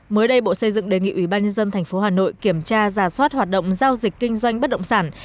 mới đây bộ xây dựng đề nghị ủy ban nhân dân tp hà nội kiểm tra giả soát hoạt động giao dịch kinh doanh bất động sản